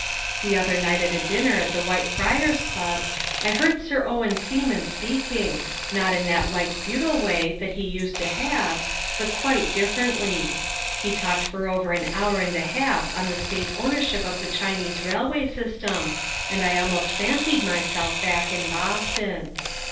The other night at a dinner at the White Friars Club I heard Sir Owen Seaman speaking, not in that light futile way that he used to have, but quite differently. He talked for over an hour and a half on the State ownership of the Chinese Railway System, and I almost fancied myself back in Boston.